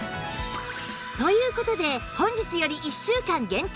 という事で本日より１週間限定